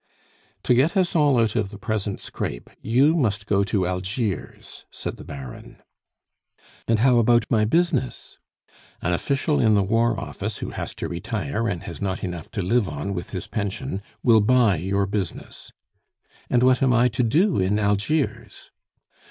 "To get us all out of the present scrape, you must go to Algiers," said the Baron. "And how about my business?" "An official in the War Office, who has to retire, and has not enough to live on with his pension, will buy your business." "And what am I to do in Algiers?"